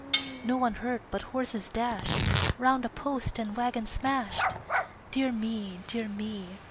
No one hurt, but horses dashed Round a post and wagon smashed! Dear me! Dear me!